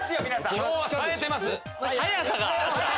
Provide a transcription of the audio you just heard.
今日はさえてます。